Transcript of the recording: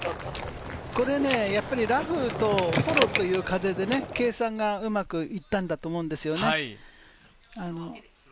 これ、やっぱりラフとフォローという風でね、計算がうまくいったんだと思うんですよね。